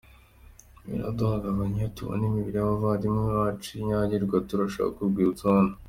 Biraduhungabanya iyo tubona imibiri y’abavandimwe bacu inyagirwa turashaka urwibutso hano.